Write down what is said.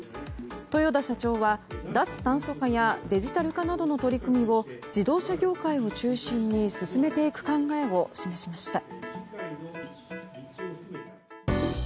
豊田社長は、脱炭素化やデジタル化などの取り組みを自動車業界を中心に進めていく考えを示しました。